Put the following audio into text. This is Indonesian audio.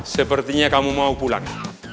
sepertinya kamu mau pulang